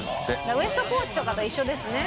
ウエストポーチとかと一緒ですね。